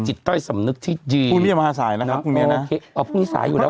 จิตต้อยสำนึกที่ยืนพรุ่งนี้มาหาสายนะครับพรุ่งนี้นะอ๋อพรุ่งนี้สายอยู่แล้วค่ะ